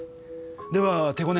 では手ごね